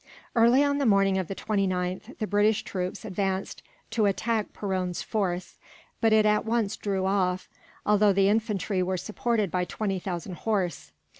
Early on the morning of the 29th, the British troops advanced to attack Perron's force; but it at once drew off, although the infantry were supported by twenty thousand horse.